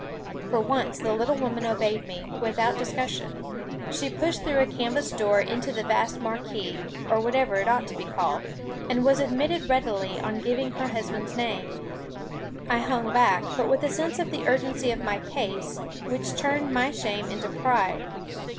For once the little woman obeyed me, without discussion. She pushed through a canvass door into the vast marquee, or whatever it ought to be called, and was admitted readily on giving her husband's name. I hung back, but with a sense of the urgency of my case, which turned my shame into pride.